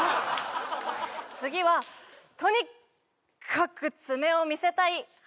次はとにっかく爪を見せたい「＃